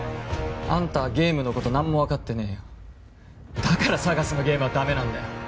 あんたはゲームのこと何も分かってねえよだからＳＡＧＡＳのゲームはダメなんだよ